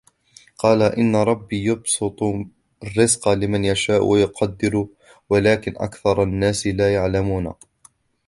قُلْ إِنَّ رَبِّي يَبْسُطُ الرِّزْقَ لِمَنْ يَشَاءُ وَيَقْدِرُ وَلَكِنَّ أَكْثَرَ النَّاسِ لَا يَعْلَمُونَ